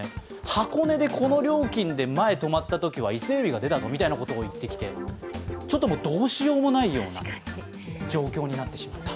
箱根でこの料金で、前、泊まったときは伊勢えびが出たぞと言ってきてちょっとどうしようもないような状況になってしまった。